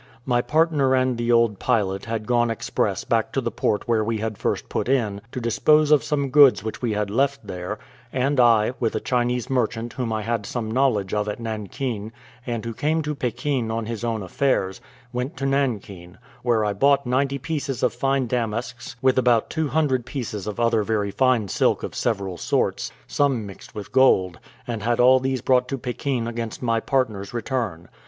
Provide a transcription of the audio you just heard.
My partner and the old pilot had gone express back to the port where we had first put in, to dispose of some goods which we had left there; and I, with a Chinese merchant whom I had some knowledge of at Nankin, and who came to Pekin on his own affairs, went to Nankin, where I bought ninety pieces of fine damasks, with about two hundred pieces of other very fine silk of several sorts, some mixed with gold, and had all these brought to Pekin against my partner's return.